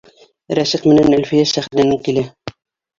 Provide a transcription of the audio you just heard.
Рәсих менән Әлфиә сәхнәнән килә.